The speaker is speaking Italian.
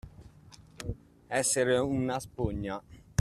Essere una spugna.